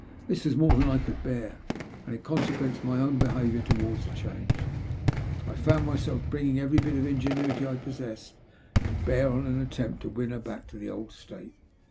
This was more than I could bear, and in consequence my own be haviour towards her changed. I found myself bringing every bit of ingenuity I possessed to bear on an attempt to win her back to the old state.